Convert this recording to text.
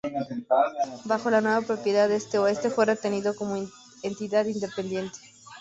Bajo la nueva propiedad este-oeste fue retenido como una entidad independiente.